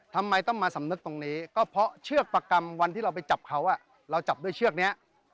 ทำไมต้องมาสำนึกตรงนี้ก็เพราะเชือกประกรรมวันที่เราไปจับเขาเราจับด้วยเชือกนี้